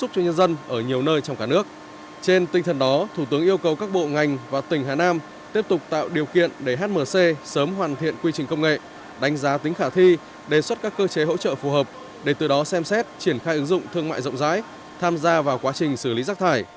trên tinh thần đó thủ tướng yêu cầu các bộ ngành và tỉnh hà nam tiếp tục tạo điều kiện để hmc sớm hoàn thiện quy trình công nghệ đánh giá tính khả thi đề xuất các cơ chế hỗ trợ phù hợp để từ đó xem xét triển khai ứng dụng thương mại rộng rãi tham gia vào quá trình xử lý rác thải